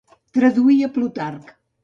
Traduí a Plutarc.